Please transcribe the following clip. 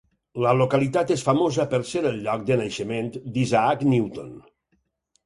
La localitat és famosa per ser el lloc de naixement d'Isaac Newton.